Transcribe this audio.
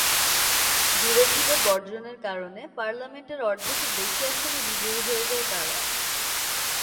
বিরোধীদের বর্জনের কারণে পার্লামেন্টের অর্ধেকের বেশি আসনে বিজয়ী হয়ে যায় তারা।